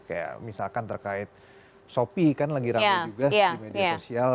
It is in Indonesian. kayak misalkan terkait shopee kan lagi rame juga di media sosial